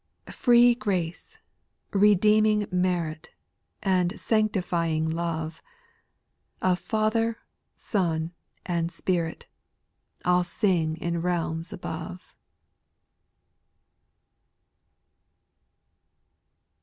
Free grace, redeeming merit, And sanctifying love, Of Father, Son, and Spirit, J'Jl sing in realms above.